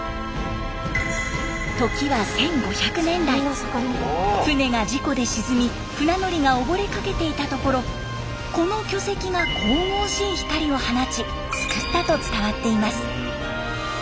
時は１５００年代船が事故で沈み船乗りが溺れかけていたところこの巨石が神々しい光を放ち救ったと伝わっています。